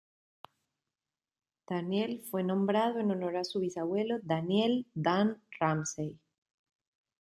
Daniel fue nombrado en honor a su bisabuelo Daniel "Dan" Ramsay.